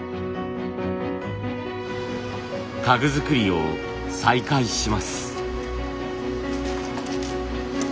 家具づくりを再開します。